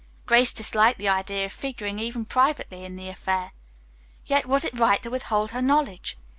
Grace disliked the idea of figuring even privately in the affair. Yet was it right to withhold her knowledge?